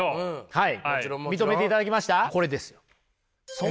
はい。